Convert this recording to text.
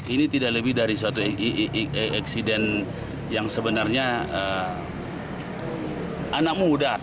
ini tidak lebih dari suatu eksiden yang sebenarnya anak muda